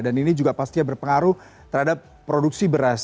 dan ini juga pasti berpengaruh terhadap produksi beras